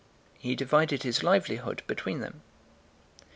He divided his livelihood between them.